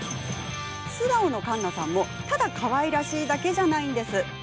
素顔の環奈さんも、ただかわいらしいだけじゃないんです。